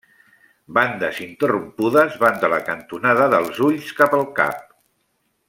Bandes interrompudes van de la cantonada dels ulls cap al cap.